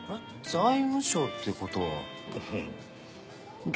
財務省ってことは。